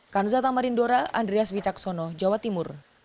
kan zatamarindora andreas wicaksono jawa timur